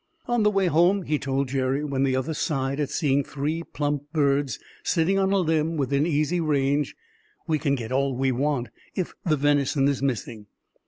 "On the way home," he told Jerry, when the other sighed at seeing three plump birds sitting on a limb within easy range, "we can get all we want, if the venison is missing."